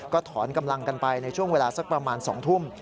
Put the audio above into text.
ก็ถอนกำลังกันไปในช่วงเวลาสักประมาณ๒ทุ่ม